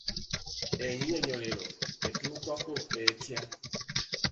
Ennyinyonnyolero etuukwako etya?